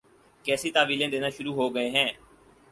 کیسی تاویلیں دینا شروع ہو گئے ہیں۔